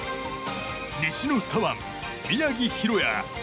西の左腕、宮城大弥